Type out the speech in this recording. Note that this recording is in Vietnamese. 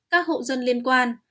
các hộ dân liên quan